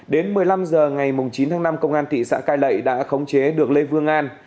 đến một mươi năm h ngày chín tháng năm công an thị xã cai lệ đã khống chế được lê vương an